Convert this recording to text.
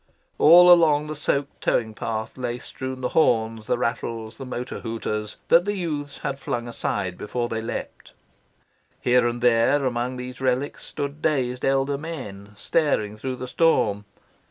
All along the soaked towing path lay strewn the horns, the rattles, the motor hooters, that the youths had flung aside before they leapt. Here and there among these relics stood dazed elder men, staring through the storm.